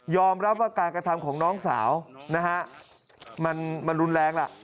ยอมรับว่าการกระทำของน้องสาวมันรุนแรงแล้ว